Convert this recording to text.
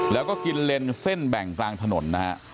แล้วก็กินเลนเส้นแบ่งกลางถนนนะฮะ